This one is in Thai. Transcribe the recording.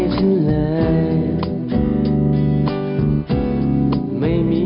คือเธอแน่นอน